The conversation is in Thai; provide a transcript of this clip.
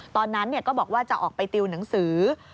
ตอนนั้นก็บอกว่าจะออกไปติวหนังสือ